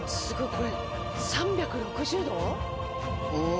これ３６０度？